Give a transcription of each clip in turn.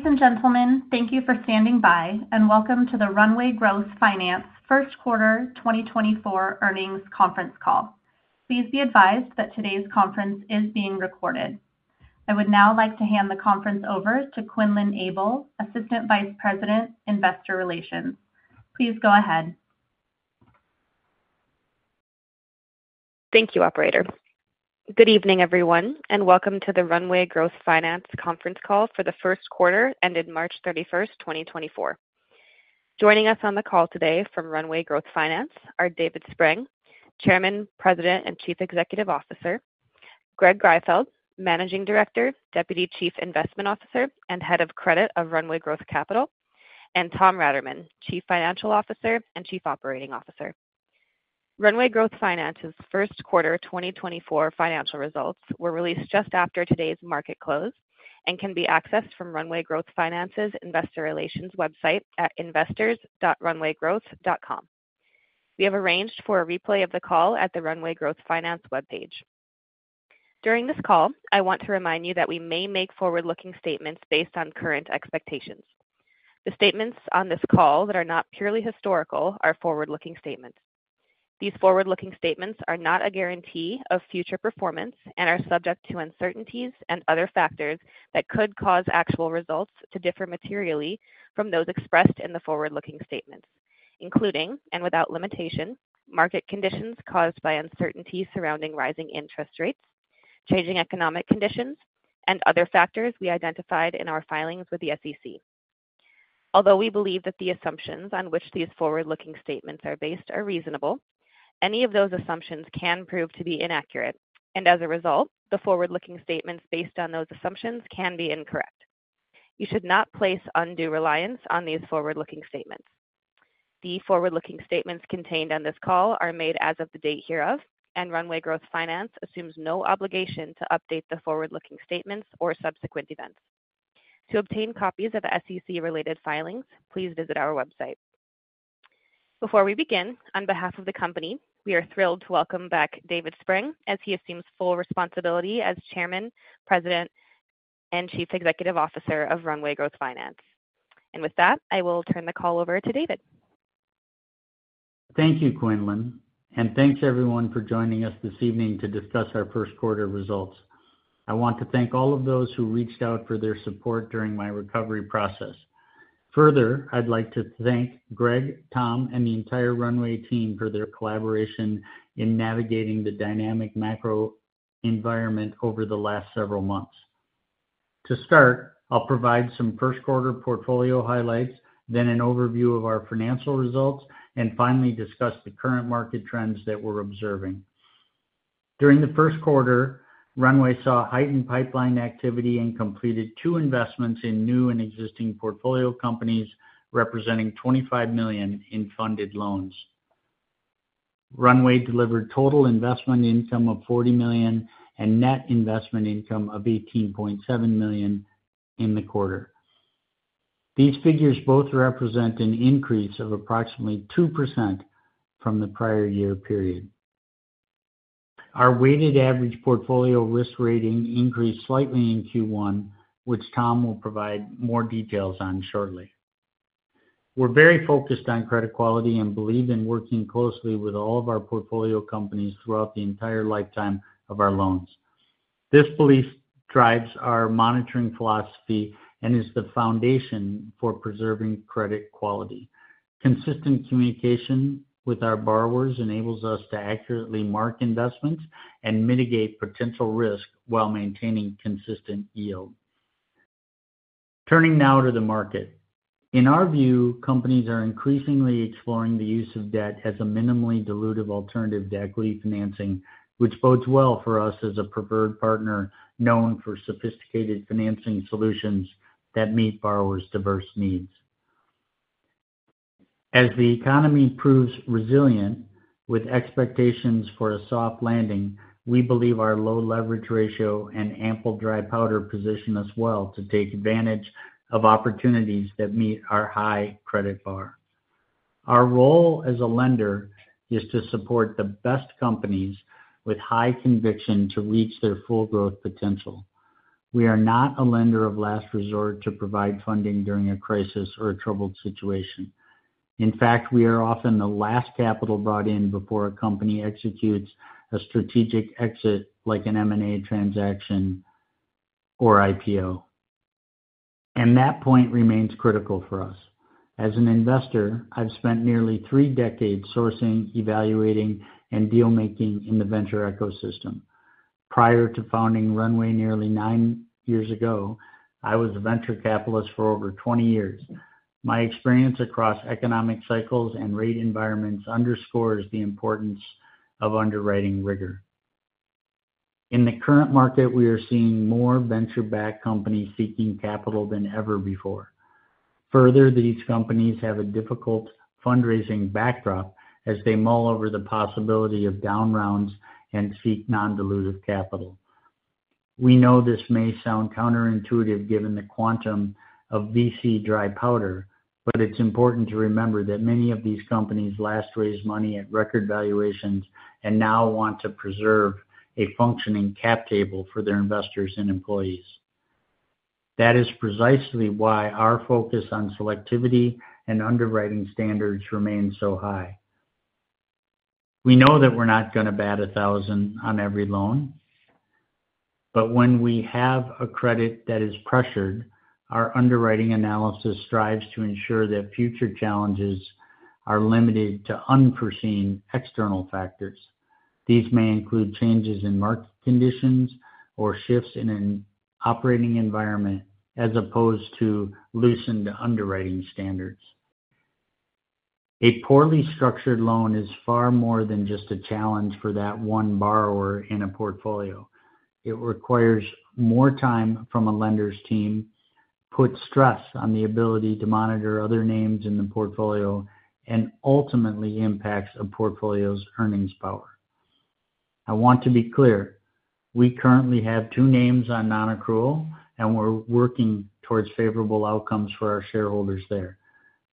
Ladies and gentlemen, thank you for standing by and welcome to the Runway Growth Finance first quarter 2024 earnings conference call. Please be advised that today's conference is being recorded. I would now like to hand the conference over to Quinlan Abel, Assistant Vice President, Investor Relations. Please go ahead. Thank you, Operator. Good evening, everyone, and welcome to the Runway Growth Finance conference call for the first quarter ended March 31, 2024. Joining us on the call today from Runway Growth Finance are David Spreng, Chairman, President, and Chief Executive Officer; Greg Greifeld, Managing Director, Deputy Chief Investment Officer and Head of Credit of Runway Growth Capital; and Tom Raterman, Chief Financial Officer and Chief Operating Officer. Runway Growth Finance's first quarter 2024 financial results were released just after today's market close and can be accessed from Runway Growth Finance's Investor Relations website at investors.runwaygrowth.com. We have arranged for a replay of the call at the Runway Growth Finance web page. During this call, I want to remind you that we may make forward-looking statements based on current expectations. The statements on this call that are not purely historical are forward-looking statements. These forward-looking statements are not a guarantee of future performance and are subject to uncertainties and other factors that could cause actual results to differ materially from those expressed in the forward-looking statements, including and without limitation, market conditions caused by uncertainty surrounding rising interest rates, changing economic conditions, and other factors we identified in our filings with the SEC. Although we believe that the assumptions on which these forward-looking statements are based are reasonable, any of those assumptions can prove to be inaccurate, and as a result, the forward-looking statements based on those assumptions can be incorrect. You should not place undue reliance on these forward-looking statements. The forward-looking statements contained on this call are made as of the date hereof, and Runway Growth Finance assumes no obligation to update the forward-looking statements or subsequent events. To obtain copies of SEC-related filings, please visit our website. Before we begin, on behalf of the company, we are thrilled to welcome back David Spreng as he assumes full responsibility as Chairman, President, and Chief Executive Officer of Runway Growth Finance. With that, I will turn the call over to David. Thank you, Quinlan, and thanks everyone for joining us this evening to discuss our first quarter results. I want to thank all of those who reached out for their support during my recovery process. Further, I'd like to thank Greg, Tom, and the entire Runway team for their collaboration in navigating the dynamic macro environment over the last several months. To start, I'll provide some first quarter portfolio highlights, then an overview of our financial results, and finally discuss the current market trends that we're observing. During the first quarter, Runway saw heightened pipeline activity and completed two investments in new and existing portfolio companies representing $25 million in funded loans. Runway delivered total investment income of $40 million and net investment income of $18.7 million in the quarter. These figures both represent an increase of approximately 2% from the prior year period. Our weighted average portfolio risk rating increased slightly in Q1, which Tom will provide more details on shortly. We're very focused on credit quality and believe in working closely with all of our portfolio companies throughout the entire lifetime of our loans. This belief drives our monitoring philosophy and is the foundation for preserving credit quality. Consistent communication with our borrowers enables us to accurately mark investments and mitigate potential risk while maintaining consistent yield. Turning now to the market. In our view, companies are increasingly exploring the use of debt as a minimally dilutive alternative to equity financing, which bodes well for us as a preferred partner known for sophisticated financing solutions that meet borrowers' diverse needs. As the economy proves resilient with expectations for a soft landing, we believe our low leverage ratio and ample dry powder position us well to take advantage of opportunities that meet our high credit bar. Our role as a lender is to support the best companies with high conviction to reach their full growth potential. We are not a lender of last resort to provide funding during a crisis or a troubled situation. In fact, we are often the last capital brought in before a company executes a strategic exit like an M&A transaction or IPO. That point remains critical for us. As an investor, I've spent nearly three decades sourcing, evaluating, and dealmaking in the venture ecosystem. Prior to founding Runway nearly nine years ago, I was a venture capitalist for over 20 years. My experience across economic cycles and rate environments underscores the importance of underwriting rigor. In the current market, we are seeing more venture-backed companies seeking capital than ever before. Further, these companies have a difficult fundraising backdrop as they mull over the possibility of down rounds and seek non-dilutive capital. We know this may sound counterintuitive given the quantum of VC dry powder, but it's important to remember that many of these companies last raised money at record valuations and now want to preserve a functioning cap table for their investors and employees. That is precisely why our focus on selectivity and underwriting standards remains so high. We know that we're not going to bat 1,000 on every loan, but when we have a credit that is pressured, our underwriting analysis strives to ensure that future challenges are limited to unforeseen external factors. These may include changes in market conditions or shifts in an operating environment as opposed to loosened underwriting standards. A poorly structured loan is far more than just a challenge for that one borrower in a portfolio. It requires more time from a lender's team, puts stress on the ability to monitor other names in the portfolio, and ultimately impacts a portfolio's earnings power. I want to be clear. We currently have two names on non-accrual, and we're working towards favorable outcomes for our shareholders there.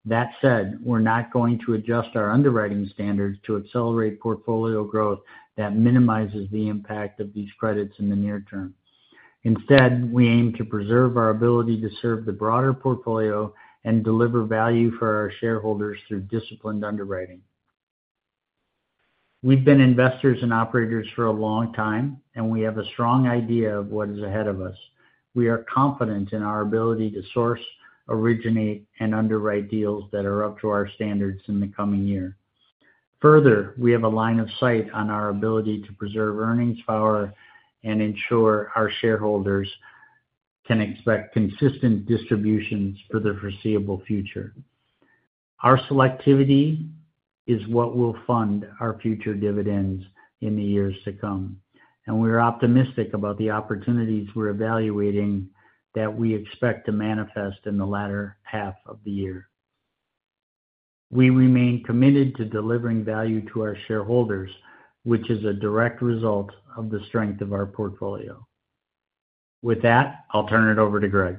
That said, we're not going to adjust our underwriting standards to accelerate portfolio growth that minimizes the impact of these credits in the near term. Instead, we aim to preserve our ability to serve the broader portfolio and deliver value for our shareholders through disciplined underwriting. We've been investors and operators for a long time, and we have a strong idea of what is ahead of us. We are confident in our ability to source, originate, and underwrite deals that are up to our standards in the coming year. Further, we have a line of sight on our ability to preserve earnings power and ensure our shareholders can expect consistent distributions for the foreseeable future. Our selectivity is what will fund our future dividends in the years to come, and we're optimistic about the opportunities we're evaluating that we expect to manifest in the latter half of the year. We remain committed to delivering value to our shareholders, which is a direct result of the strength of our portfolio. With that, I'll turn it over to Greg.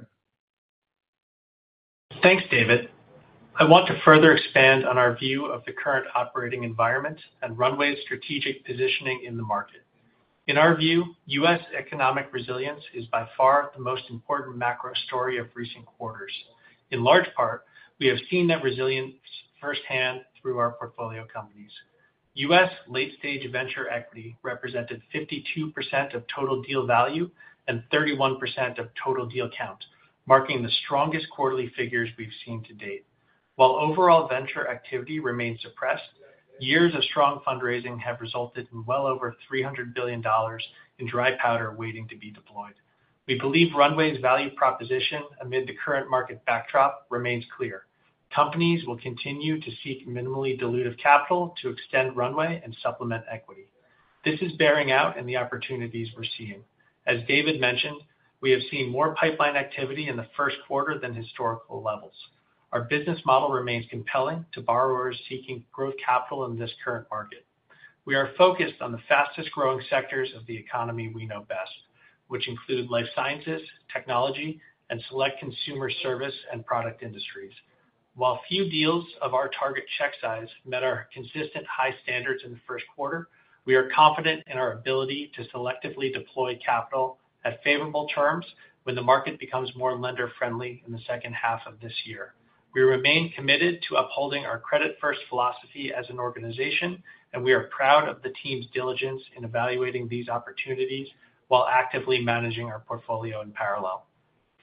Thanks, David. I want to further expand on our view of the current operating environment and Runway's strategic positioning in the market. In our view, U.S. economic resilience is by far the most important macro story of recent quarters. In large part, we have seen that resilience firsthand through our portfolio companies. U.S. late-stage venture equity represented 52% of total deal value and 31% of total deal count, marking the strongest quarterly figures we've seen to date. While overall venture activity remains suppressed, years of strong fundraising have resulted in well over $300 billion in dry powder waiting to be deployed. We believe Runway's value proposition amid the current market backdrop remains clear. Companies will continue to seek minimally dilutive capital to extend runway and supplement equity. This is bearing out in the opportunities we're seeing. As David mentioned, we have seen more pipeline activity in the first quarter than historical levels. Our business model remains compelling to borrowers seeking growth capital in this current market. We are focused on the fastest-growing sectors of the economy we know best, which include life sciences, technology, and select consumer service and product industries. While few deals of our target check size met our consistent high standards in the first quarter, we are confident in our ability to selectively deploy capital at favorable terms when the market becomes more lender-friendly in the second half of this year. We remain committed to upholding our credit-first philosophy as an organization, and we are proud of the team's diligence in evaluating these opportunities while actively managing our portfolio in parallel.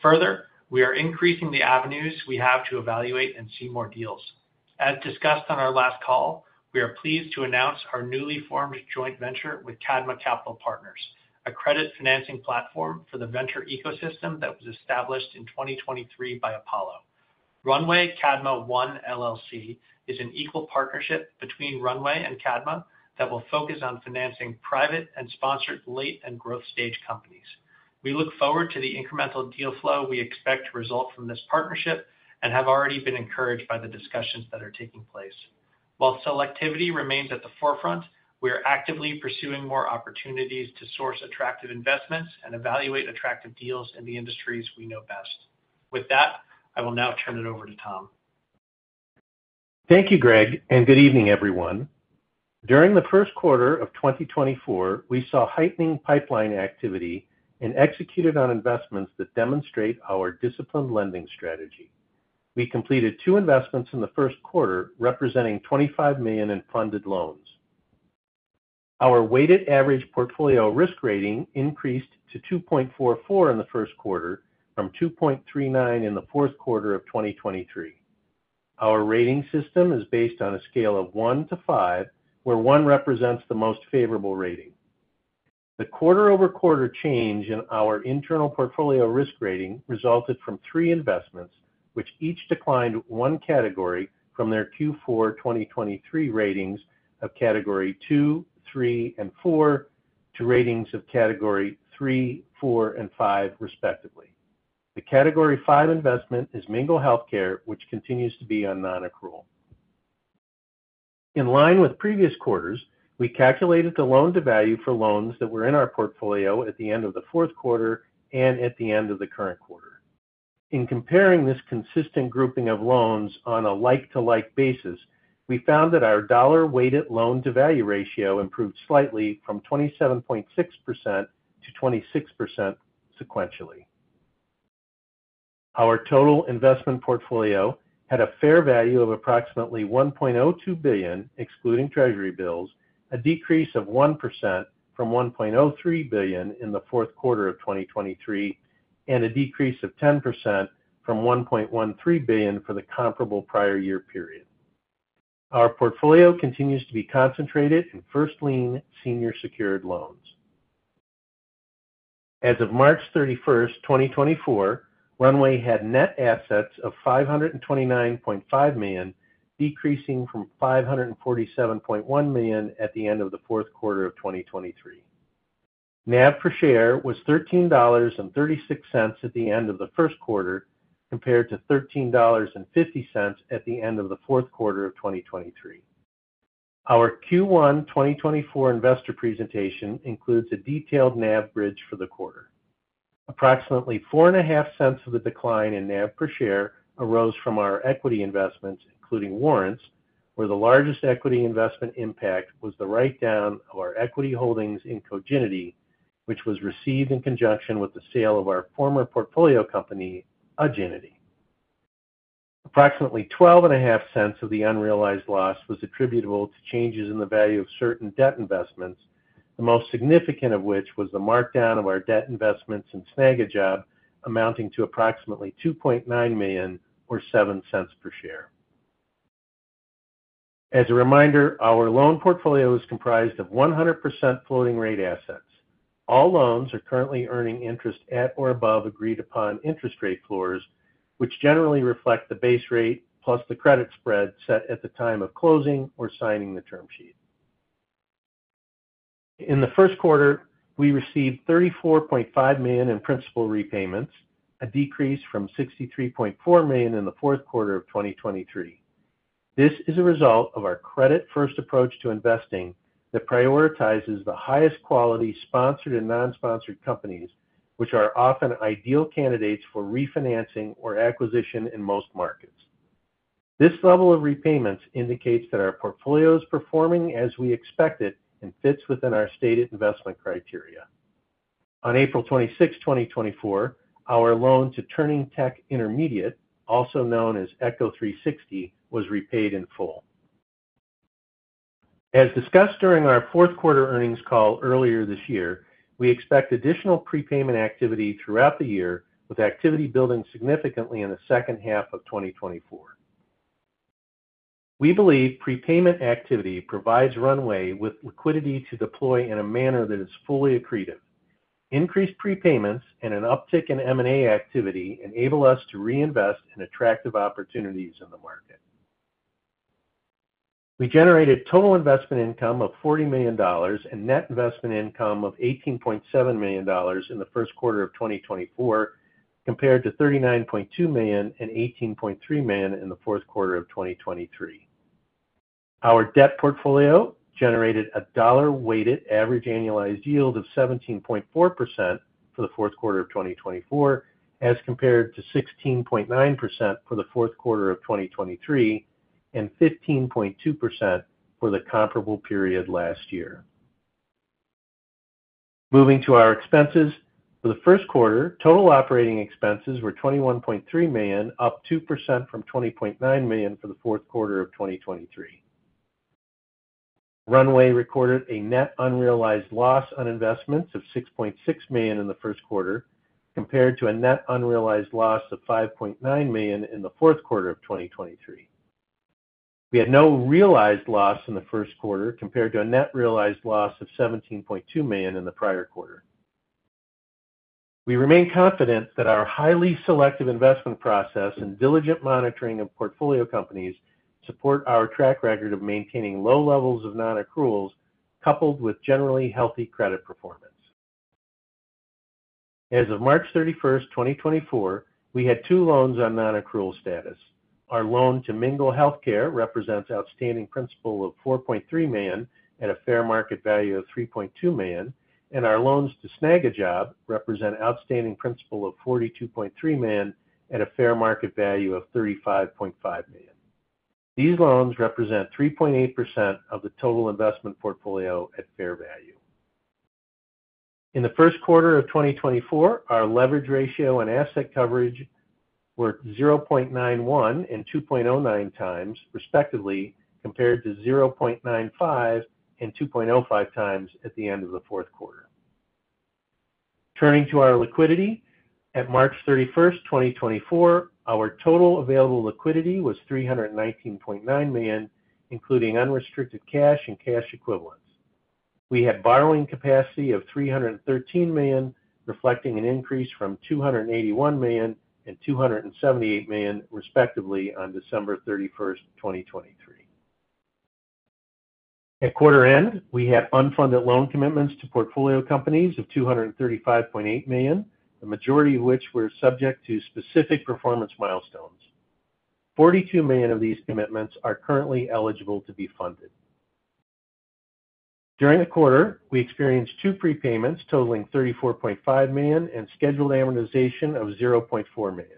Further, we are increasing the avenues we have to evaluate and see more deals. As discussed on our last call, we are pleased to announce our newly formed joint venture with Cadma Capital Partners, a credit financing platform for the venture ecosystem that was established in 2023 by Apollo. Runway-Cadma I LLC is an equal partnership between Runway and Cadma that will focus on financing private and sponsored late and growth stage companies. We look forward to the incremental deal flow we expect to result from this partnership and have already been encouraged by the discussions that are taking place. While selectivity remains at the forefront, we are actively pursuing more opportunities to source attractive investments and evaluate attractive deals in the industries we know best. With that, I will now turn it over to Tom. Thank you, Greg, and good evening, everyone. During the first quarter of 2024, we saw heightening pipeline activity and executed on investments that demonstrate our disciplined lending strategy. We completed two investments in the first quarter representing $25 million in funded loans. Our weighted average portfolio risk rating increased to 2.44 in the first quarter from 2.39 in the fourth quarter of 2023. Our rating system is based on a scale of 1 to 5, where 1 represents the most favorable rating. The quarter-over-quarter change in our internal portfolio risk rating resulted from three investments, which each declined one category from their Q4 2023 ratings of category 2, 3, and 4 to ratings of category 3, 4, and 5, respectively. The category 5 investment is Mingle Healthcare, which continues to be on non-accrual. In line with previous quarters, we calculated the loan-to-value for loans that were in our portfolio at the end of the fourth quarter and at the end of the current quarter. In comparing this consistent grouping of loans on a like-to-like basis, we found that our dollar-weighted loan-to-value ratio improved slightly from 27.6% to 26% sequentially. Our total investment portfolio had a fair value of approximately $1.02 billion excluding treasury bills, a decrease of 1% from $1.03 billion in the fourth quarter of 2023, and a decrease of 10% from $1.13 billion for the comparable prior year period. Our portfolio continues to be concentrated in first lien senior secured loans. As of March 31st, 2024, Runway had net assets of $529.5 million, decreasing from $547.1 million at the end of the fourth quarter of 2023. NAV per share was $13.36 at the end of the first quarter compared to $13.50 at the end of the fourth quarter of 2023. Our Q1 2024 investor presentation includes a detailed NAV bridge for the quarter. Approximately $0.045 of the decline in NAV per share arose from our equity investments, including warrants, where the largest equity investment impact was the write-down of our equity holdings in Cognitiv, which was received in conjunction with the sale of our former portfolio company, Agendia. Approximately $0.125 of the unrealized loss was attributable to changes in the value of certain debt investments, the most significant of which was the markdown of our debt investments in Snagajob amounting to approximately $2.9 million or $0.07 per share. As a reminder, our loan portfolio is comprised of 100% floating-rate assets. All loans are currently earning interest at or above agreed-upon interest rate floors, which generally reflect the base rate plus the credit spread set at the time of closing or signing the term sheet. In the first quarter, we received $34.5 million in principal repayments, a decrease from $63.4 million in the fourth quarter of 2023. This is a result of our credit-first approach to investing that prioritizes the highest quality sponsored and non-sponsored companies, which are often ideal candidates for refinancing or acquisition in most markets. This level of repayments indicates that our portfolio is performing as we expected and fits within our stated investment criteria. On April 26, 2024, our loan to Turning Tech Intermediate, also known as Echo360, was repaid in full. As discussed during our fourth quarter earnings call earlier this year, we expect additional prepayment activity throughout the year, with activity building significantly in the second half of 2024. We believe prepayment activity provides Runway with liquidity to deploy in a manner that is fully accretive. Increased prepayments and an uptick in M&A activity enable us to reinvest in attractive opportunities in the market. We generated total investment income of $40 million and net investment income of $18.7 million in the first quarter of 2024, compared to $39.2 million and $18.3 million in the fourth quarter of 2023. Our debt portfolio generated a dollar-weighted average annualized yield of 17.4% for the fourth quarter of 2024, as compared to 16.9% for the fourth quarter of 2023 and 15.2% for the comparable period last year. Moving to our expenses, for the first quarter, total operating expenses were $21.3 million, up 2% from $20.9 million for the fourth quarter of 2023. Runway recorded a net unrealized loss on investments of $6.6 million in the first quarter, compared to a net unrealized loss of $5.9 million in the fourth quarter of 2023. We had no realized loss in the first quarter, compared to a net realized loss of $17.2 million in the prior quarter. We remain confident that our highly selective investment process and diligent monitoring of portfolio companies support our track record of maintaining low levels of non-accruals, coupled with generally healthy credit performance. As of March 31st, 2024, we had two loans on non-accrual status. Our loan to Mingle Healthcare represents outstanding principal of $4.3 million at a fair market value of $3.2 million, and our loans to Snagajob represent outstanding principal of $42.3 million at a fair market value of $35.5 million. These loans represent 3.8% of the total investment portfolio at fair value. In the first quarter of 2024, our leverage ratio and asset coverage were 0.91x and 2.09x, respectively, compared to 0.95x and 2.05x at the end of the fourth quarter. Turning to our liquidity, at March 31st, 2024, our total available liquidity was $319.9 million, including unrestricted cash and cash equivalents. We had borrowing capacity of $313 million, reflecting an increase from $281 million and $278 million, respectively, on December 31st, 2023. At quarter end, we had unfunded loan commitments to portfolio companies of $235.8 million, the majority of which were subject to specific performance milestones. $42 million of these commitments are currently eligible to be funded. During the quarter, we experienced two prepayments totaling $34.5 million and scheduled amortization of $0.4 million.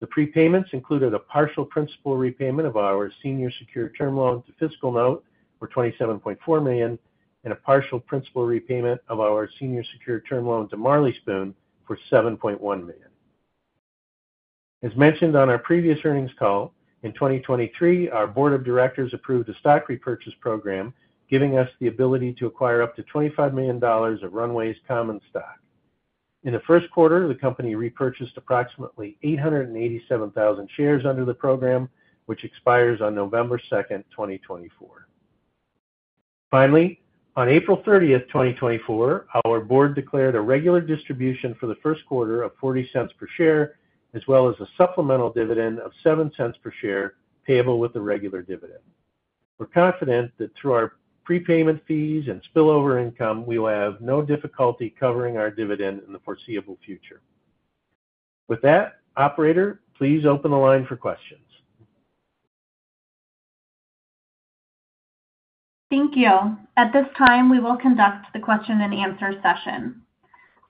The prepayments included a partial principal repayment of our senior secured term loan to FiscalNote for $27.4 million and a partial principal repayment of our senior secured term loan to Marley Spoon for $7.1 million. As mentioned on our previous earnings call, in 2023, our board of directors approved a stock repurchase program, giving us the ability to acquire up to $25 million of Runway's common stock. In the first quarter, the company repurchased approximately 887,000 shares under the program, which expires on November 2nd, 2024. Finally, on April 30th, 2024, our board declared a regular distribution for the first quarter of $0.40 per share, as well as a supplemental dividend of $0.07 per share payable with the regular dividend. We're confident that through our prepayment fees and spillover income, we will have no difficulty covering our dividend in the foreseeable future. With that, operator, please open the line for questions. Thank you. At this time, we will conduct the question-and-answer session.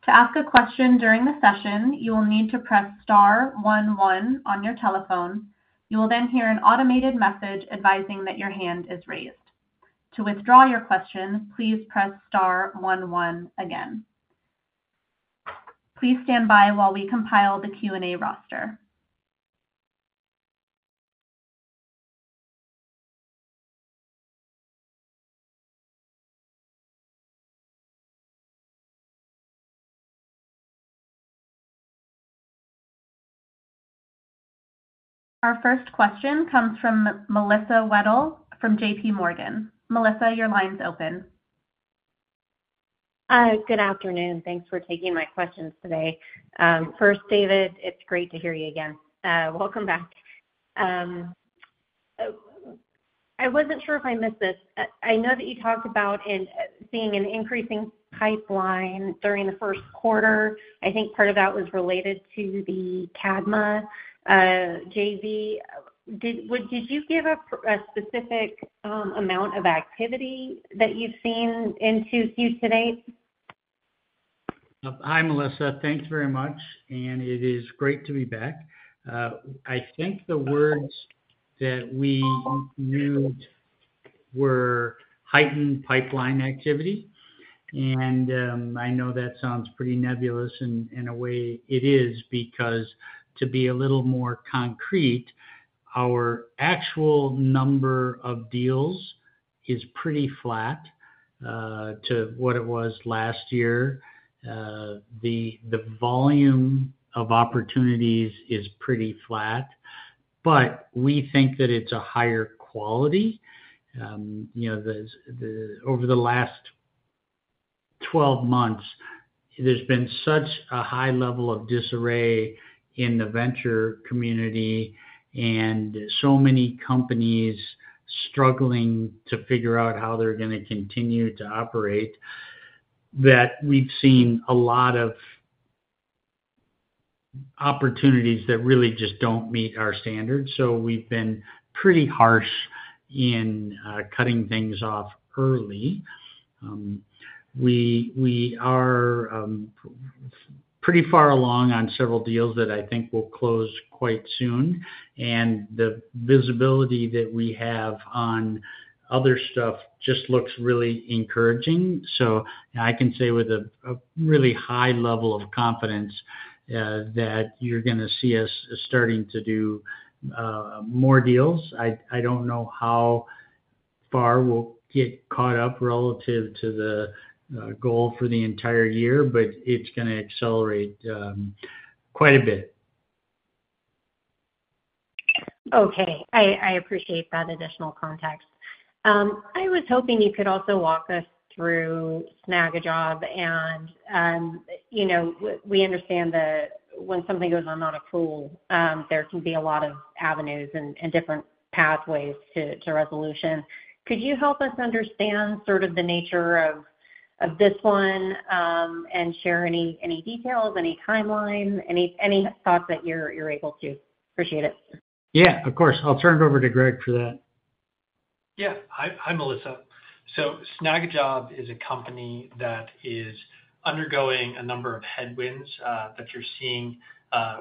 To ask a question during the session, you will need to press star 11 on your telephone. You will then hear an automated message advising that your hand is raised. To withdraw your question, please press star one one again. Please stand by while we compile the Q&A roster. Our first question comes from Melissa Wedel from JPMorgan. Melissa, your line is open. Good afternoon. Thanks for taking my questions today. First, David, it's great to hear you again. Welcome back. I wasn't sure if I missed this. I know that you talked about seeing an increasing pipeline during the first quarter. I think part of that was related to the Cadma JV. Did you give a specific amount of activity that you've seen into Q2 date? Hi, Melissa. Thanks very much, and it is great to be back. I think the words that we used were heightened pipeline activity, and I know that sounds pretty nebulous. And in a way, it is because, to be a little more concrete, our actual number of deals is pretty flat to what it was last year. The volume of opportunities is pretty flat, but we think that it's a higher quality. Over the last 12 months, there's been such a high level of disarray in the venture community and so many companies struggling to figure out how they're going to continue to operate that we've seen a lot of opportunities that really just don't meet our standards. So we've been pretty harsh in cutting things off early. We are pretty far along on several deals that I think will close quite soon, and the visibility that we have on other stuff just looks really encouraging. So I can say with a really high level of confidence that you're going to see us starting to do more deals. I don't know how far we'll get caught up relative to the goal for the entire year, but it's going to accelerate quite a bit. Okay. I appreciate that additional context. I was hoping you could also walk us through Snagajob. We understand that when something goes on non-accrual, there can be a lot of avenues and different pathways to resolution. Could you help us understand sort of the nature of this one and share any details, any timeline, any thoughts that you're able to? Appreciate it. Yeah, of course. I'll turn it over to Greg for that. Yeah. Hi, Melissa. So Snagajob is a company that is undergoing a number of headwinds that you're seeing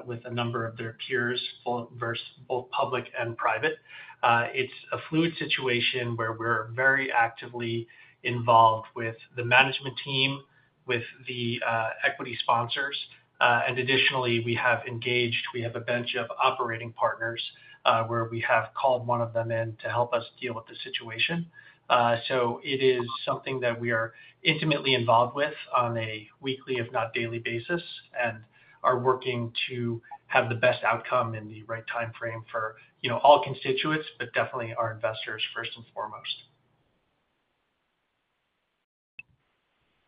with a number of their peers, both public and private. It's a fluid situation where we're very actively involved with the management team, with the equity sponsors. And additionally, we have a bunch of operating partners where we have called one of them in to help us deal with the situation. So it is something that we are intimately involved with on a weekly, if not daily, basis and are working to have the best outcome in the right time frame for all constituents, but definitely our investors first and foremost.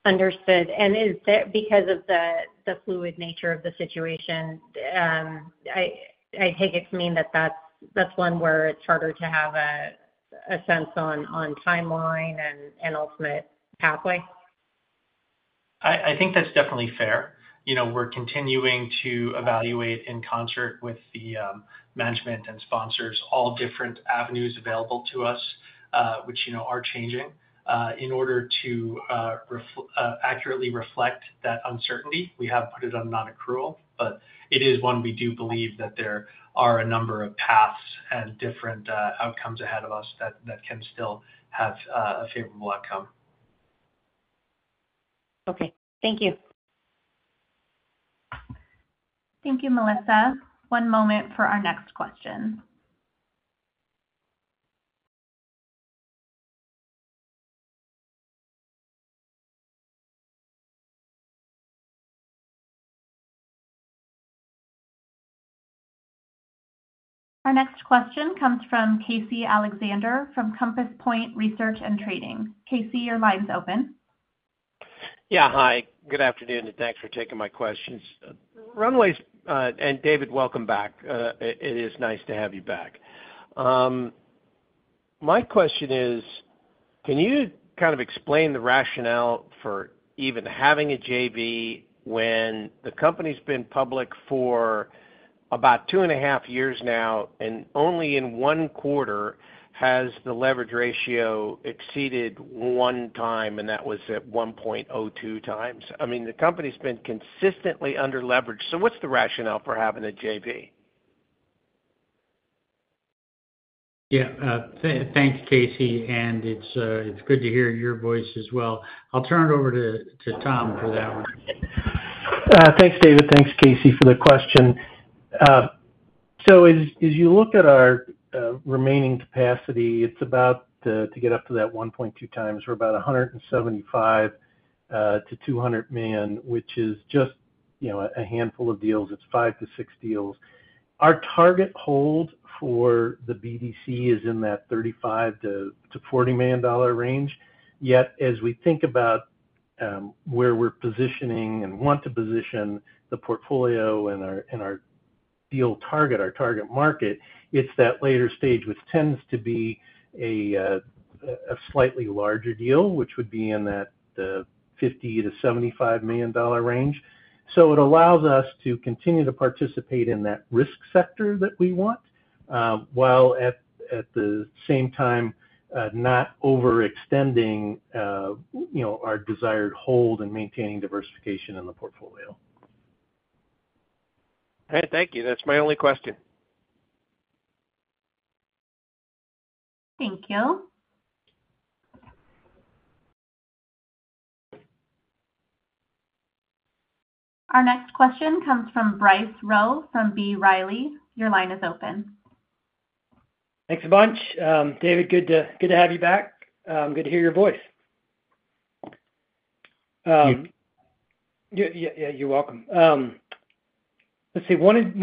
Understood. Is that because of the fluid nature of the situation? I take it to mean that that's one where it's harder to have a sense on timeline and ultimate pathway. I think that's definitely fair. We're continuing to evaluate in concert with the management and sponsors all different avenues available to us, which are changing, in order to accurately reflect that uncertainty. We have put it on non-accrual, but it is one we do believe that there are a number of paths and different outcomes ahead of us that can still have a favorable outcome. Okay. Thank you. Thank you, Melissa. One moment for our next question. Our next question comes from Casey Alexander from Compass Point Research and Trading. Casey, your line is open. Yeah, hi. Good afternoon and thanks for taking my questions. Runway and David, welcome back. It is nice to have you back. My question is, can you kind of explain the rationale for even having a JV when the company's been public for about two and a half years now and only in one quarter has the leverage ratio exceeded one time, and that was at 1.02x? I mean, the company's been consistently underleveraged. So what's the rationale for having a JV? Yeah. Thanks, Casey, and it's good to hear your voice as well. I'll turn it over to Tom for that one. Thanks, David. Thanks, Casey, for the question. So as you look at our remaining capacity, it's about to get up to that 1.2x. We're about $175 million-$200 million, which is just a handful of deals. It's five to six deals. Our target hold for the BDC is in that $35 million-$40 million range. Yet, as we think about where we're positioning and want to position the portfolio and our deal target, our target market, it's that later stage which tends to be a slightly larger deal, which would be in that $50 million-$75 million range. So it allows us to continue to participate in that risk sector that we want while at the same time not overextending our desired hold and maintaining diversification in the portfolio. All right. Thank you. That's my only question. Thank you. Our next question comes from Bryce Rowe from B. Riley. Your line is open. Thanks a bunch, David. Good to have you back. Good to hear your voice. Thank You. Yeah, you're welcome. Let's see. Wanted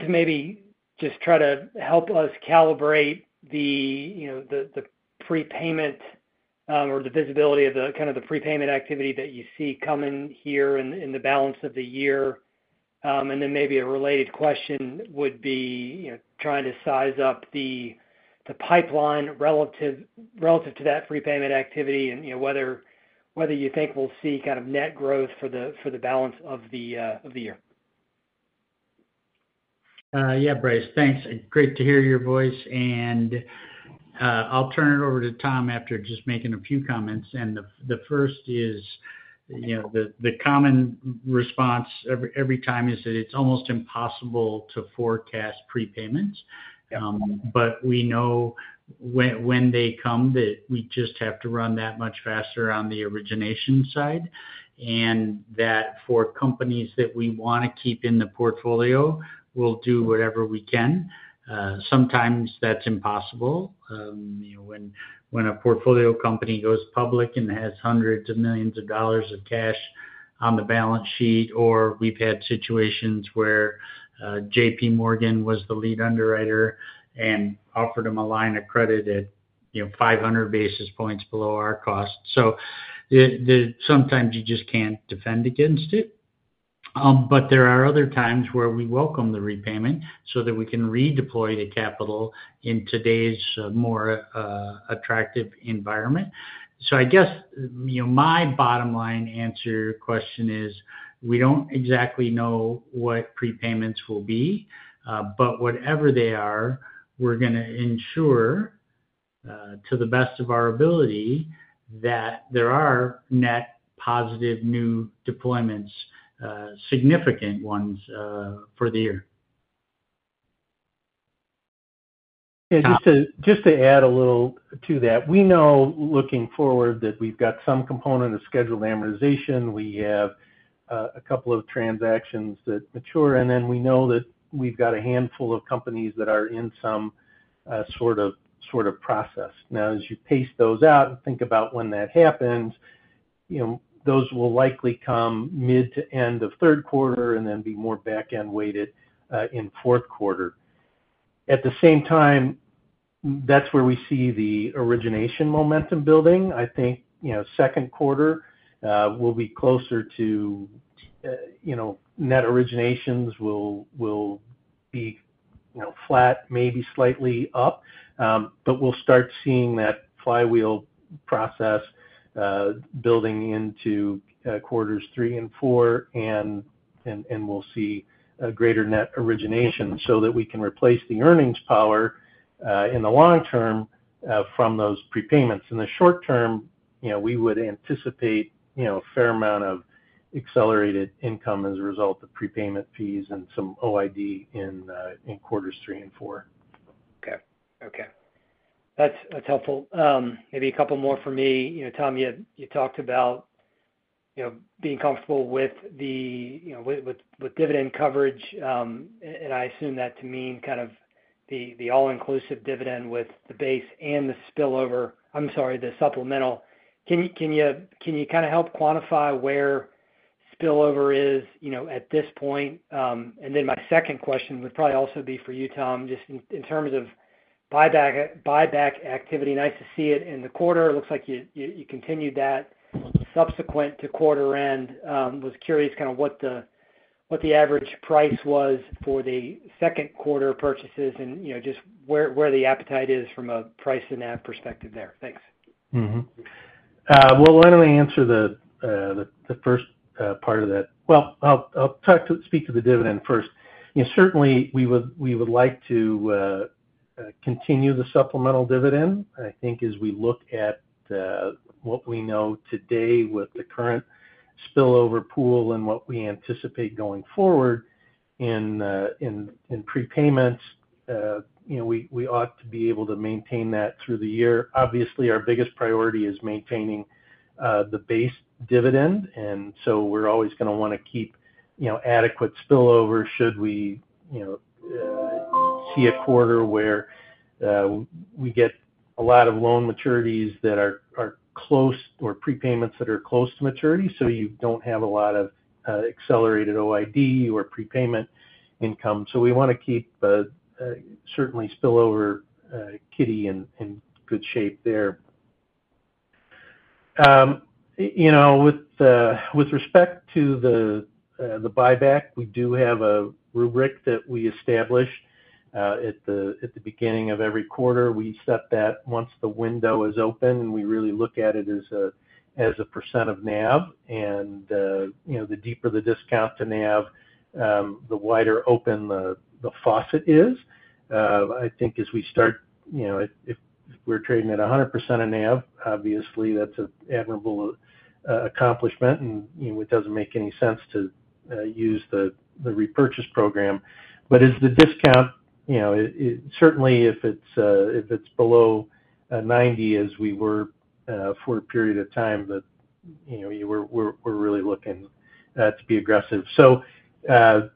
to maybe just try to help us calibrate the prepayment or the visibility of kind of the prepayment activity that you see coming here in the balance of the year. And then maybe a related question would be trying to size up the pipeline relative to that prepayment activity and whether you think we'll see kind of net growth for the balance of the year. Yeah, Bryce, thanks. Great to hear your voice. And I'll turn it over to Tom after just making a few comments. And the first is the common response every time is that it's almost impossible to forecast prepayments. But we know when they come that we just have to run that much faster on the origination side and that for companies that we want to keep in the portfolio, we'll do whatever we can. Sometimes that's impossible. When a portfolio company goes public and has hundreds of millions of dollars of cash on the balance sheet, or we've had situations where J.P. Morgan was the lead underwriter and offered them a line of credit at 500 basis points below our cost. So sometimes you just can't defend against it. But there are other times where we welcome the repayment so that we can redeploy the capital in today's more attractive environment. So I guess my bottom line answer question is we don't exactly know what prepayments will be, but whatever they are, we're going to ensure to the best of our ability that there are net positive new deployments, significant ones for the year. Yeah. Just to add a little to that, we know looking forward that we've got some component of scheduled amortization. We have a couple of transactions that mature, and then we know that we've got a handful of companies that are in some sort of process. Now, as you pace those out and think about when that happens, those will likely come mid to end of third quarter and then be more back-end weighted in fourth quarter. At the same time, that's where we see the origination momentum building. I think second quarter will be closer to net originations will be flat, maybe slightly up, but we'll start seeing that flywheel process building into quarters three and four, and we'll see greater net origination so that we can replace the earnings power in the long term from those prepayments. In the short term, we would anticipate a fair amount of accelerated income as a result of prepayment fees and some OID in quarters three and four. Okay. Okay. That's helpful. Maybe a couple more for me. Tom, you talked about being comfortable with dividend coverage, and I assume that to mean kind of the all-inclusive dividend with the base and the spillover, I'm sorry, the supplemental. Can you kind of help quantify where spillover is at this point? And then my second question would probably also be for you, Tom, just in terms of buyback activity. Nice to see it in the quarter. It looks like you continued that subsequent to quarter end. Was curious kind of what the average price was for the second quarter purchases and just where the appetite is from a price and NAV perspective there. Thanks. Well, why don't I answer the first part of that? Well, I'll speak to the dividend first. Certainly, we would like to continue the supplemental dividend. I think as we look at what we know today with the current spillover pool and what we anticipate going forward in prepayments, we ought to be able to maintain that through the year. Obviously, our biggest priority is maintaining the base dividend, and so we're always going to want to keep adequate spillover should we see a quarter where we get a lot of loan maturities that are close or prepayments that are close to maturity so you don't have a lot of accelerated OID or prepayment income. So we want to keep certainly spillover kitty in good shape there. With respect to the buyback, we do have a rubric that we establish at the beginning of every quarter. We set that once the window is open, and we really look at it as a % of NAV. And the deeper the discount to NAV, the wider open the faucet is. I think as we start if we're trading at 100% of NAV, obviously, that's an admirable accomplishment, and it doesn't make any sense to use the repurchase program. But as the discount certainly, if it's below 90% as we were for a period of time, then we're really looking to be aggressive. So we'll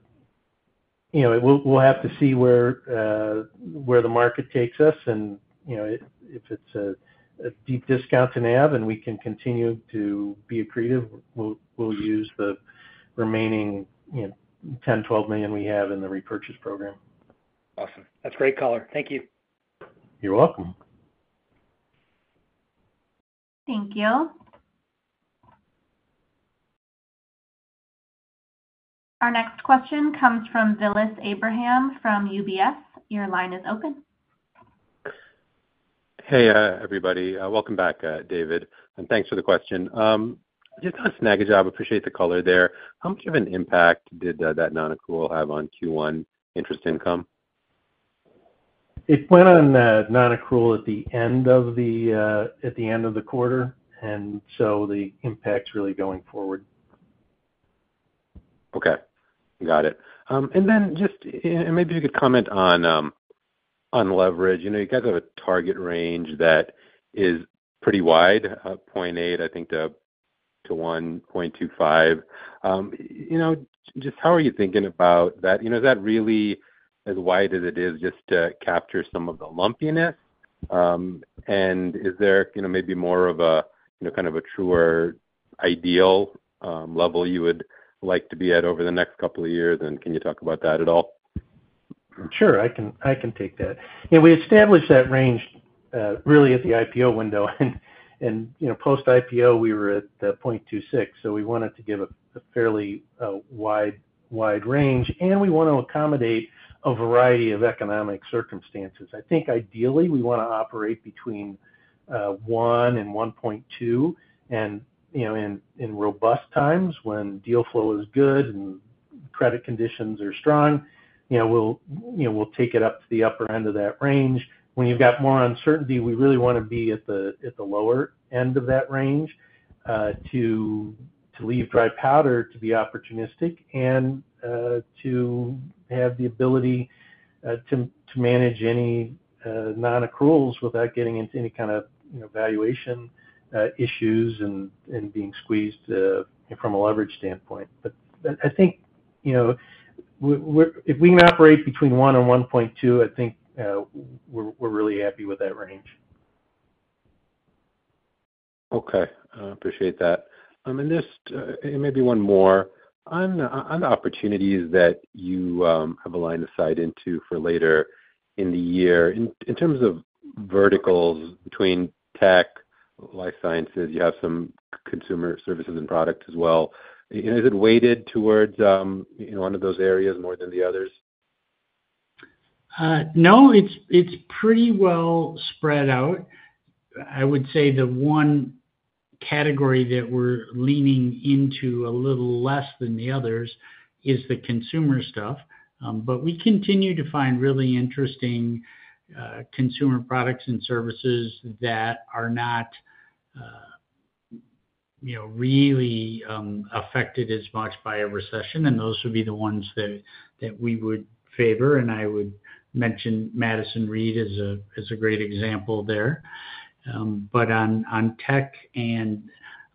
have to see where the market takes us. And if it's a deep discount to NAV and we can continue to be accretive, we'll use the remaining $10 million-$12 million we have in the repurchase program. Awesome. That's great color. Thank you. You're welcome. Thank you. Our next question comes from Vilas Abraham from UBS. Your line is open. Hey, everybody. Welcome back, David. Thanks for the question. Just on Snagajob, appreciate the color there. How much of an impact did that non-accrual have on Q1 interest income? It went on non-accrual at the end of the quarter, and so the impact's really going forward. Okay. Got it. And then just maybe you could comment on leverage. You guys have a target range that is pretty wide, 0.8-1.25, I think. Just how are you thinking about that? Is that really as wide as it is just to capture some of the lumpiness? And is there maybe more of a kind of a truer ideal level you would like to be at over the next couple of years? And can you talk about that at all? Sure. I can take that. We established that range really at the IPO window. Post-IPO, we were at 0.26. We wanted to give a fairly wide range, and we want to accommodate a variety of economic circumstances. I think ideally, we want to operate between 1-1.2. In robust times when deal flow is good and credit conditions are strong, we'll take it up to the upper end of that range. When you've got more uncertainty, we really want to be at the lower end of that range to leave dry powder to be opportunistic and to have the ability to manage any non-accruals without getting into any kind of valuation issues and being squeezed from a leverage standpoint. I think if we can operate between 1-1.2, I think we're really happy with that range. Okay. Appreciate that. Maybe one more on the opportunities that you have in the pipeline for later in the year. In terms of verticals between tech, life sciences, you have some consumer services and products as well. Is it weighted towards one of those areas more than the others? No, it's pretty well spread out. I would say the one category that we're leaning into a little less than the others is the consumer stuff. But we continue to find really interesting consumer products and services that are not really affected as much by a recession, and those would be the ones that we would favor. And I would mention Madison Reed as a great example there. But on tech and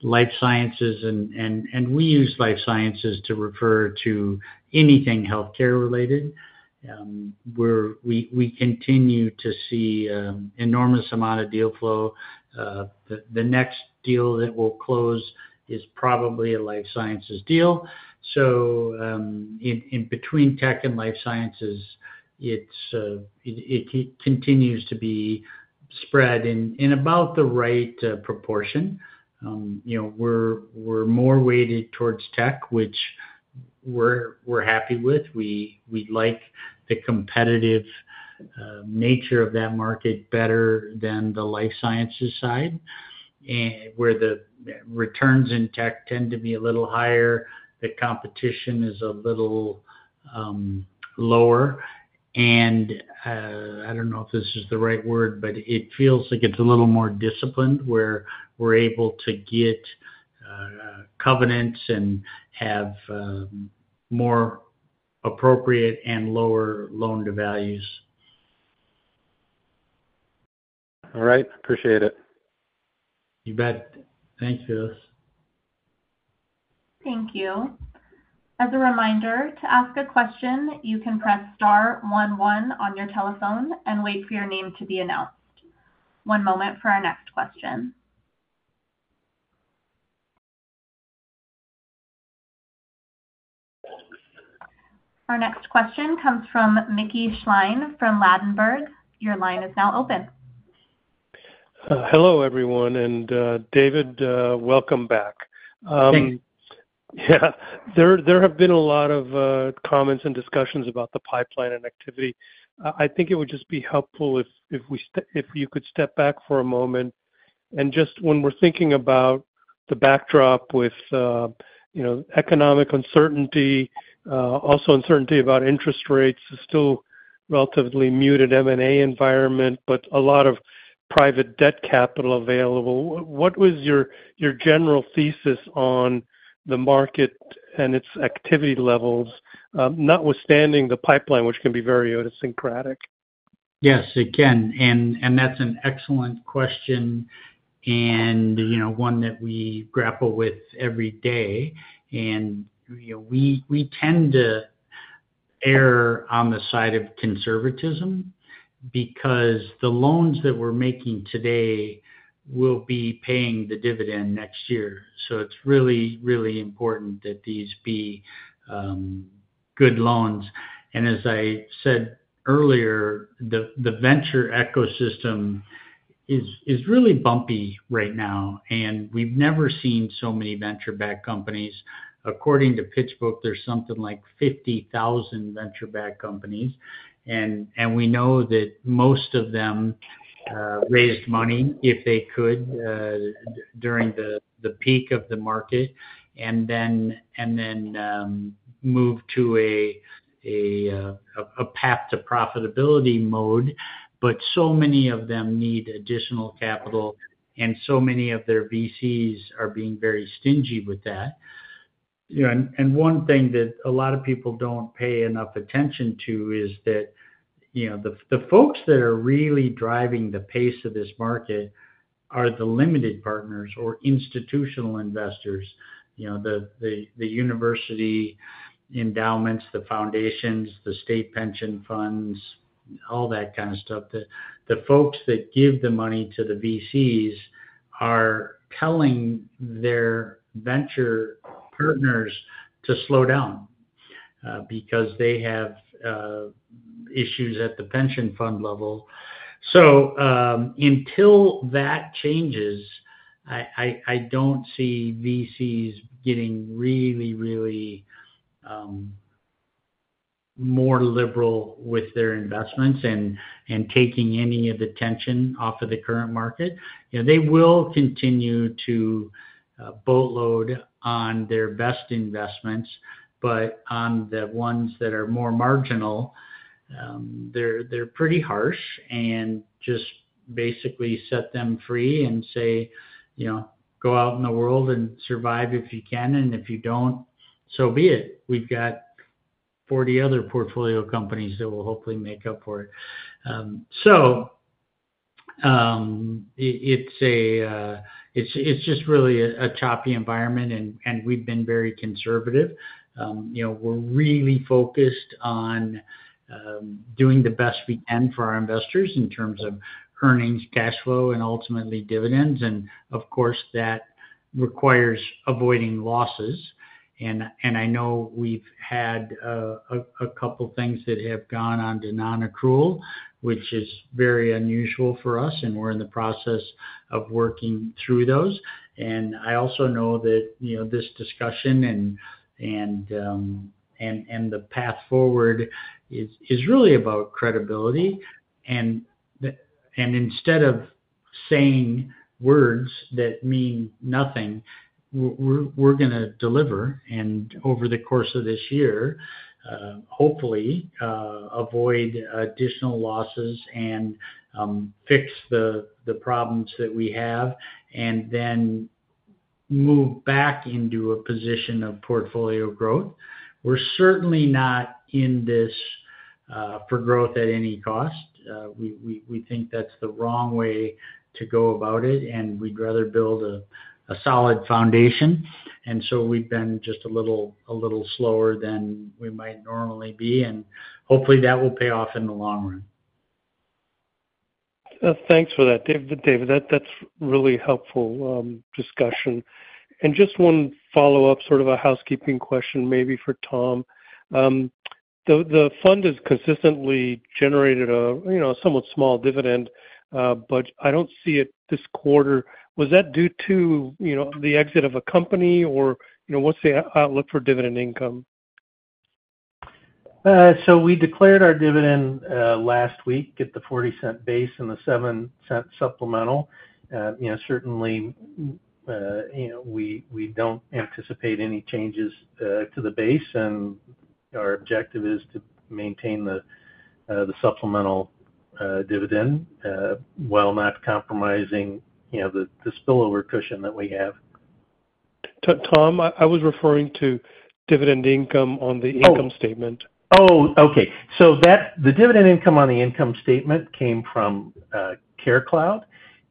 life sciences and we use life sciences to refer to anything healthcare-related. We continue to see an enormous amount of deal flow. The next deal that will close is probably a life sciences deal. So in between tech and life sciences, it continues to be spread in about the right proportion. We're more weighted towards tech, which we're happy with. We like the competitive nature of that market better than the life sciences side where the returns in tech tend to be a little higher. The competition is a little lower. And I don't know if this is the right word, but it feels like it's a little more disciplined where we're able to get covenants and have more appropriate and lower loan-to-values. All right. Appreciate it. You bet. Thanks, Vilas. Thank you. As a reminder, to ask a question, you can press star one one on your telephone and wait for your name to be announced. One moment for our next question. Our next question comes from Mickey Schleien from Ladenburg. Your line is now open. Hello, everyone. David, welcome back. Yeah. There have been a lot of comments and discussions about the pipeline and activity. I think it would just be helpful if you could step back for a moment. Just when we're thinking about the backdrop with economic uncertainty, also uncertainty about interest rates, still relatively muted M&A environment, but a lot of private debt capital available, what was your general thesis on the market and its activity levels notwithstanding the pipeline, which can be very idiosyncratic? Yes, it can. That's an excellent question and one that we grapple with every day. We tend to err on the side of conservatism because the loans that we're making today will be paying the dividend next year. It's really, really important that these be good loans. As I said earlier, the venture ecosystem is really bumpy right now, and we've never seen so many venture-backed companies. According to PitchBook, there's something like 50,000 venture-backed companies. We know that most of them raised money if they could during the peak of the market and then moved to a path to profitability mode. So many of them need additional capital, and so many of their VCs are being very stingy with that. One thing that a lot of people don't pay enough attention to is that the folks that are really driving the pace of this market are the limited partners or institutional investors, the university endowments, the foundations, the state pension funds, all that kind of stuff. The folks that give the money to the VCs are telling their venture partners to slow down because they have issues at the pension fund level. So until that changes, I don't see VCs getting really, really more liberal with their investments and taking any of the tension off of the current market. They will continue to boatload on their best investments, but on the ones that are more marginal, they're pretty harsh and just basically set them free and say, "Go out in the world and survive if you can, and if you don't, so be it. We've got 40 other portfolio companies that will hopefully make up for it." So it's just really a choppy environment, and we've been very conservative. We're really focused on doing the best we can for our investors in terms of earnings, cash flow, and ultimately dividends. Of course, that requires avoiding losses. I know we've had a couple of things that have gone on to non-accrual, which is very unusual for us, and we're in the process of working through those. I also know that this discussion and the path forward is really about credibility. Instead of saying words that mean nothing, we're going to deliver and over the course of this year, hopefully, avoid additional losses and fix the problems that we have and then move back into a position of portfolio growth. We're certainly not in this for growth at any cost. We think that's the wrong way to go about it, and we'd rather build a solid foundation. And so we've been just a little slower than we might normally be. And hopefully, that will pay off in the long run. Thanks for that, David. That's really helpful discussion. And just one follow-up, sort of a housekeeping question maybe for Tom. The fund has consistently generated a somewhat small dividend, but I don't see it this quarter. Was that due to the exit of a company? Or what's the outlook for dividend income? We declared our dividend last week at the $0.40 base and the $0.07 supplemental. Certainly, we don't anticipate any changes to the base, and our objective is to maintain the supplemental dividend while not compromising the spillover cushion that we have. Tom, I was referring to dividend income on the income statement. Oh, okay. So the dividend income on the income statement came from CareCloud.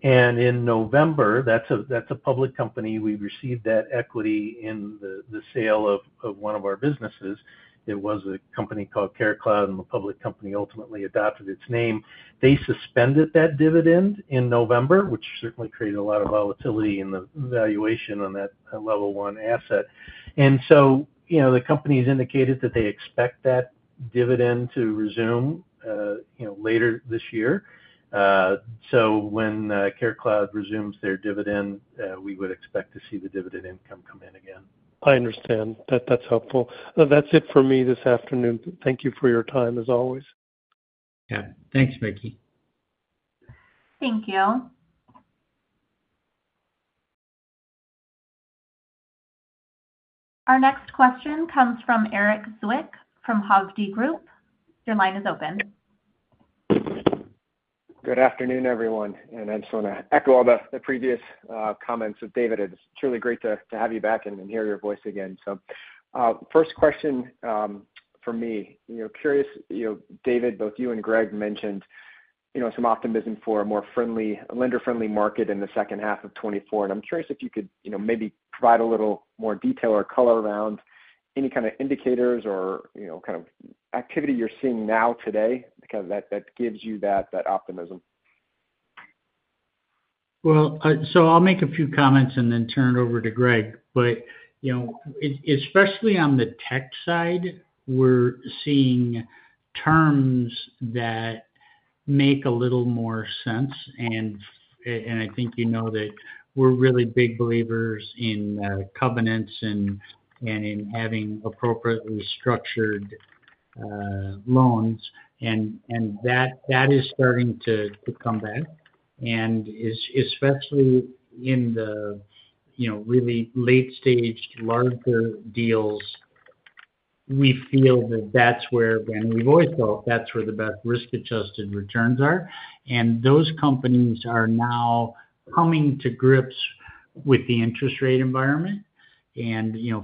And in November, that's a public company. We received that equity in the sale of one of our businesses. It was a company called CareCloud, and the public company ultimately adopted its name. They suspended that dividend in November, which certainly created a lot of volatility in the valuation on that Level 1 asset. And so the companies indicated that they expect that dividend to resume later this year. So when CareCloud resumes their dividend, we would expect to see the dividend income come in again. I understand. That's helpful. That's it for me this afternoon. Thank you for your time as always. Yeah. Thanks, Mickey. Thank you. Our next question comes from Erik Zwick from Hovde Group. Your line is open. Good afternoon, everyone. I just want to echo all the previous comments that David had. It's truly great to have you back and hear your voice again. First question for me. Curious, David, both you and Greg mentioned some optimism for a more lender-friendly market in the second half of 2024. I'm curious if you could maybe provide a little more detail or color around any kind of indicators or kind of activity you're seeing now today that gives you that optimism. Well, so I'll make a few comments and then turn it over to Greg. Especially on the tech side, we're seeing terms that make a little more sense. I think you know that we're really big believers in covenants and in having appropriately structured loans. That is starting to come back. Especially in the really late-staged larger deals, we feel that that's where and we've always felt that's where the best risk-adjusted returns are. Those companies are now coming to grips with the interest rate environment.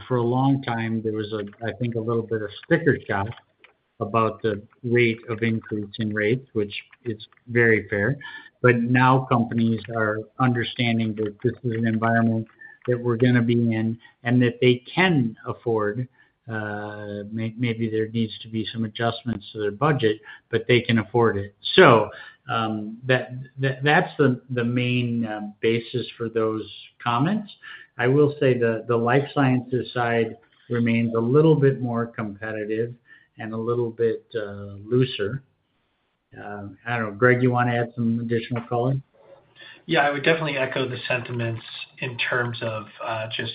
For a long time, there was, I think, a little bit of sticker shock about the rate of increase in rates, which is very fair. But now companies are understanding that this is an environment that we're going to be in and that they can afford maybe there needs to be some adjustments to their budget, but they can afford it. So that's the main basis for those comments. I will say the life sciences side remains a little bit more competitive and a little bit looser. I don't know. Greg, you want to add some additional color? Yeah. I would definitely echo the sentiments in terms of just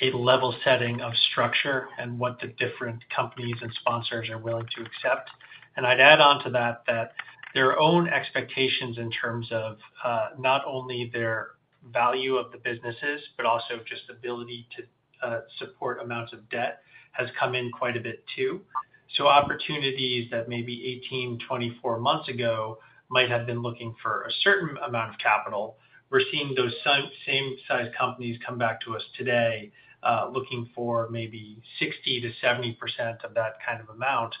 a level setting of structure and what the different companies and sponsors are willing to accept. I'd add on to that that their own expectations in terms of not only their value of the businesses but also just ability to support amounts of debt has come in quite a bit too. Opportunities that maybe 18, 24 months ago might have been looking for a certain amount of capital, we're seeing those same-sized companies come back to us today looking for maybe 60%-70% of that kind of amount,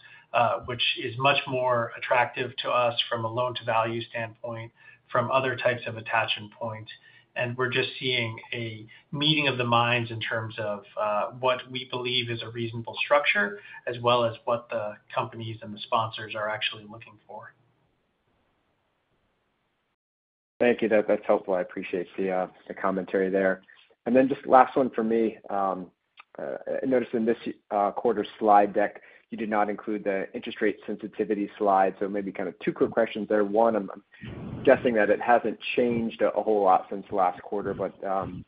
which is much more attractive to us from a loan-to-value standpoint, from other types of attachment points. We're just seeing a meeting of the minds in terms of what we believe is a reasonable structure as well as what the companies and the sponsors are actually looking for. Thank you. That's helpful. I appreciate the commentary there. And then just last one for me. I noticed in this quarter's slide deck, you did not include the interest rate sensitivity slide. So maybe kind of two quick questions there. One, I'm guessing that it hasn't changed a whole lot since last quarter, but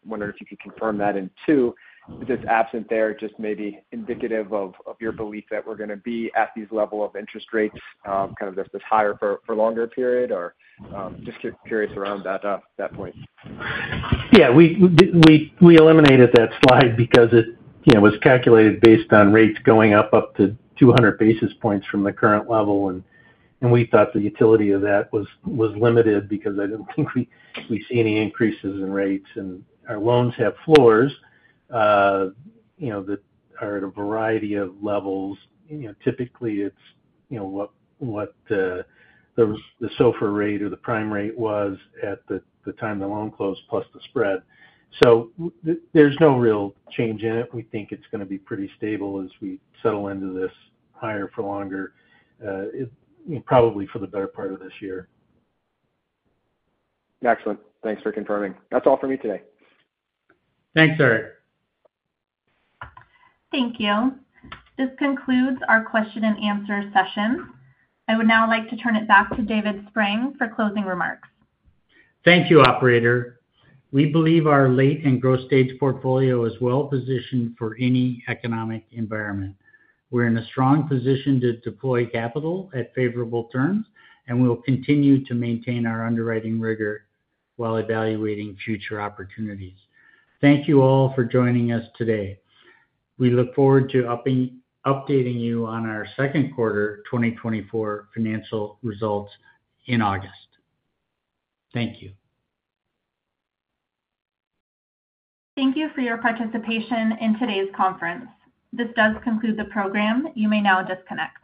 wondering if you could confirm that. And two, is this absent there just maybe indicative of your belief that we're going to be at these levels of interest rates, kind of just this higher for a longer period, or just curious around that point? Yeah. We eliminated that slide because it was calculated based on rates going up to 200 basis points from the current level. We thought the utility of that was limited because I didn't think we'd see any increases in rates. Our loans have floors that are at a variety of levels. Typically, it's what the SOFR rate or the prime rate was at the time the loan closed plus the spread. So there's no real change in it. We think it's going to be pretty stable as we settle into this higher for longer, probably for the better part of this year. Excellent. Thanks for confirming. That's all for me today. Thanks, Erik. Thank you. This concludes our question-and-answer session. I would now like to turn it back to David Spreng for closing remarks. Thank you, operator. We believe our late and growth-stage portfolio is well-positioned for any economic environment. We're in a strong position to deploy capital at favorable terms, and we'll continue to maintain our underwriting rigor while evaluating future opportunities. Thank you all for joining us today. We look forward to updating you on our second quarter 2024 financial results in August. Thank you. Thank you for your participation in today's conference. This does conclude the program. You may now disconnect.